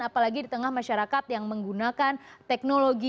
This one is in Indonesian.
apalagi di tengah masyarakat yang menggunakan teknologi